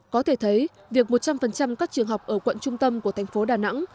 có thể thấy việc một trăm linh các trường học ở quận trung tâm của thành phố đà nẵng